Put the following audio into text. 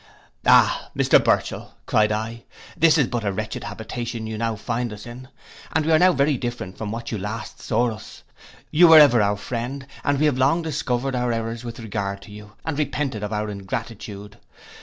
'Ah, Mr Burchell,' cried I, 'this is but a wretched habitation you now find us in; and we are now very different from what you last saw us. You were ever our friend: we have long discovered our errors with regard to you, and repented of our ingratitude.